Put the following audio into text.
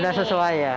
sudah sesuai ya